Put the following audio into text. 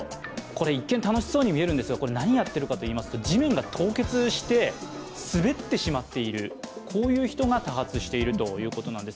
一見、楽しそうに見えるんですが、何をやっているかといいますと地面が凍結して滑ってしまっているこういう人が多発しているということなんです。